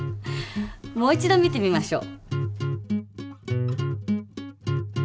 もう一度見てみましょう。